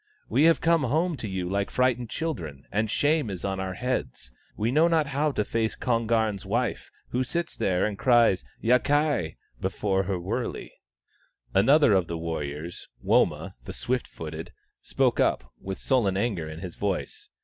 We have come home to you like frightened children, and shame is on our heads. We know not how to face Kon garn's wife, who sits there and cries ' Yakai !' before her wurley." Another of the warriors, Woma the Swift footed, spoke up, with sullen anger in his voice.